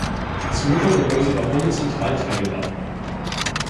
Das Motorgehäuse war horizontal teilbar.